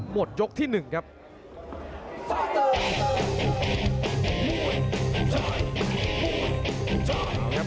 หมดยกที่หนึ่งครับ